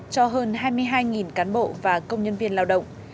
cho hơn hai mươi hai cán bộ và công nhân viên lao động